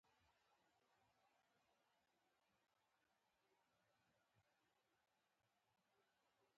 ځان دې هېڅوک بې ګناه نه ګڼي په دې مینه.